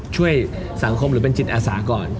ช่วยสังคมหรือเป็นจิตอาสาก่อน